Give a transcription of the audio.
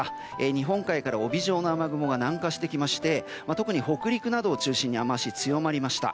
日本海から帯状の雨雲が南下してきまして特に北陸などを中心に雨脚、強まりました。